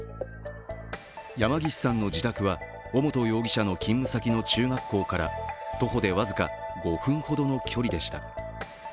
山岸さんの自宅は尾本容疑者の勤務先の中学校から徒歩で僅か５分ほどの距離でした。